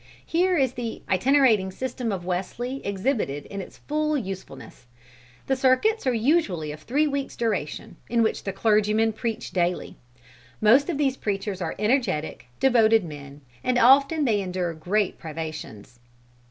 Here is the itinerating system of Wesley exhibited in its full usefulness. The circuits are usually of three weeks' duration, in which the clergymen preach daily. Most of these preachers are energetic, devoted men; and often they endure great privations.